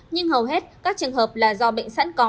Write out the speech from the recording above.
nhưng hầu hết các trường hợp là do bệnh sẵn có